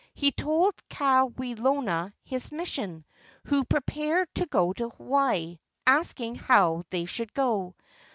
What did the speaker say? He told Kawelona his mission, who prepared to go to Hawaii, asking how they should go.